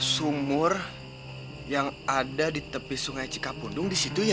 sumur yang ada di tepi sungai cikapundung disitu ya